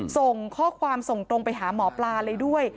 ส่งข้อความส่งตรงไปหาหมอปลาเลยด้วย